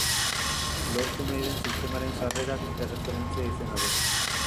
Lortu nahi den sistemaren sarrerak erreferentzia izena du.